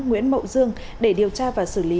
nguyễn mậu dương để điều tra và xử lý